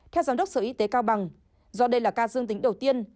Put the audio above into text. theo giám đốc sở y tế cao bằng do đây là ca dương tính đầu tiên